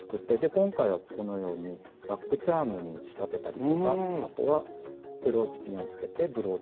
今回はこのようにバッグチャームに仕立てたりとかあとはブローチピンをつけてブローチにしたりとか。